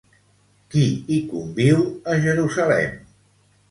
Qui hi conviu a Jerusalem?